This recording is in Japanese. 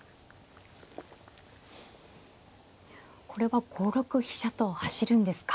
これは５六飛車と走るんですか。